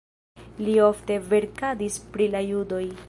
Li ofte verkadis pri la judoj.